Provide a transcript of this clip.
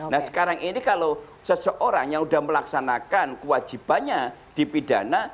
nah sekarang ini kalau seseorang yang sudah melaksanakan kewajibannya dipidana